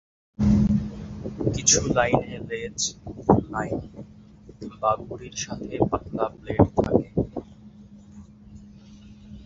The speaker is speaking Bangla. কিছু লাইনে লেজ, লাইন বা ঘুড়ির সাথে পাতলা ব্লেড থাকে।